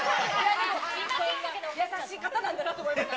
でも、優しい方なんだなと思いました。